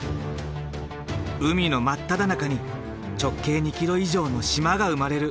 海の真っただ中に直径２ｋｍ以上の島が生まれる。